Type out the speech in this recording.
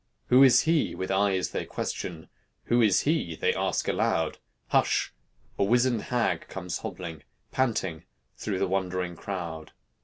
"Who is he?" with eyes they question; "Who is he?" they ask aloud; Hush! a wizened hag comes hobbling, Panting, through the wondering crowd.